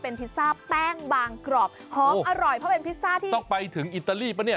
พิซซ่าแป้งบางกรอบหอมอร่อยเพราะเป็นพิซซ่าที่ต้องไปถึงอิตาลีปะเนี่ย